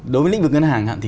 đối với lĩnh vực ngân hàng